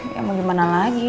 ya mau gimana lagi